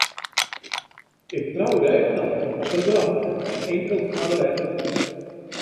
Ik troude ek noch, op in drafke en inkeld foar de wet.